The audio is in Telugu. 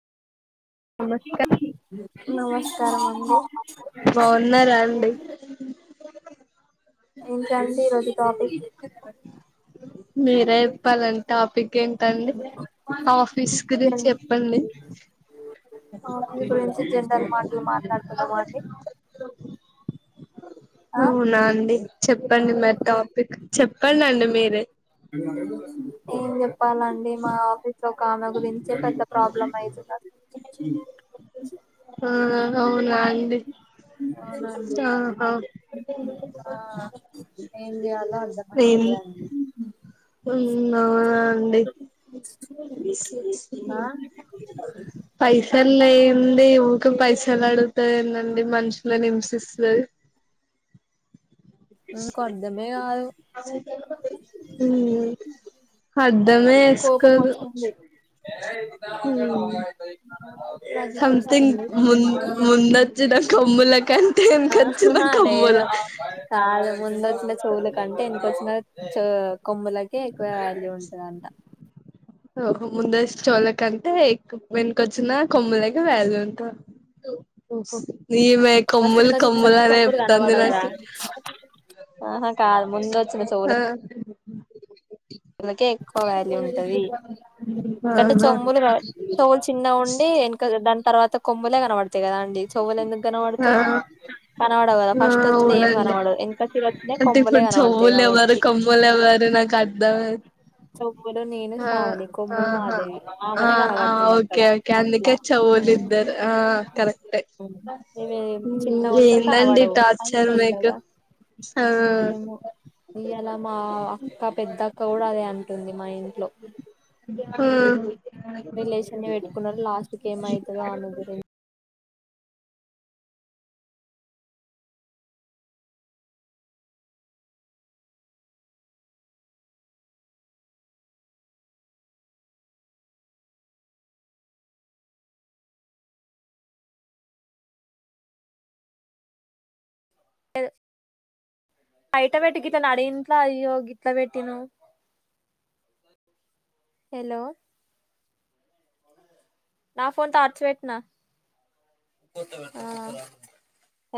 నమస్కారం నమస్కారమండి. బాగున్నారా అండి [unintelligible] ఇంకా అండి ఈరోజు టాపిక్ మీరేప్పాలాండ్ టాప్ పిక్ ఏంటండి. ఆఫీస్ గురించి చెప్పండి. [inaudible] ఆఫీస్ గురించి జనరల్ మాటలు మాట్లాడుకుందామా అండి ఆ అవునా అండి చెప్పండి మరి టాపిక్. చెప్పండండి మీరే ఏం చెప్పాలండి మా ఆఫీస్ లో కాఆమె గురించే పెద్ద ప్రాబ్లం అయితుందస్సల్ ఆ అవునా ఆండి అవునండి ఆ అవున్ ఆ ఏం చేయాలో అర్థం అయితలెదండి. ఉమ్ అవునానండి ఆ [unintelligible] పై తలైవుంది. ఊక పైసలు అడుగుతాదేధండి మనుషుల హింసిస్తది. ఎందుకో అర్థమే గాదు. ఉమ్ మ్ అర్ధమే కోపం ఏస్కోదు వస్తుంది ఉమ్ బాధ్యత సంథింగ్ వస్తుంది ముంద్ ముందొచ్చిన కొమ్ములాకంటే ఎన్కొచ్చిన ఆహహా లేదు కొమ్ములా. కాదు ముందొచ్చిన చెవులకంటే, ఎన్కోచ్చిన చోవ్ కొమ్ములకే ఎక్కువ వ్యాల్యూ ఉం టదంట. ఓహో ముందోస్తు చోవ్లకంటే, ఎక్ వెనుకొచ్చిన కొమ్ములకి వాల్యూ ఉంటా. నిమే ఫస్ట్ కొమ్ములు ముందు వచ్చేసరికి చెవులు కొమ్ములనేప్తంది నాకు. ఆహ ఆ వులకే ఎక్కువ వాల్యూ ఉంటది. ఎందుకంటే ఆహా చోమ్ములు ర్ తోవులు చిన్న ఉండ్ ఎనకల్ దాని తర్వాత కొమ్ముులే కనబడ్ తాయ్ కదా అండి. చెవ్వులు ఎందుకు ఆ కనపడతాయి. కనపడవు కదా, ఆ ఫస్ట్ వచ్చింది ఏం అవునండి కనపడర్ ఎన్క అంటే ఇప్పుడు చెవులు ఎవ్వరు, కొమ్ములు ఎవ్వరు నాకు అర్థమై కొమ్ములు నేను అ శ్రావణి ఆ కొమ్ములు మాదేవి ఆ ఆమెనే ఆ కనబడుతుంది అక్కడ ఓకే ఓకే అట్లా అందుకే చేప్ పోతిద్దరు ఆ కరెక్టే ఇవి ఉమ్మ్ ఏందండి టార్చర్ ప్తుంటగా మీకు ఆ ఏమో ఇయ్యాల మా అక్క పెద్ద అక్క గూడాదే అంటుంది. మా ఇన్ ఆ రిలేషన్ ని పెట్టుకున్నారు లాస్ట్ కి ఏం అయితదో ఆమె గురిన్ లేదు బయట పెట్టి గితనడి ఇంట్లో అయ్యో గిట్ల పెట్టినవ్ హలో నా ఫోన్ టార్చ్ పెట్నా ఆ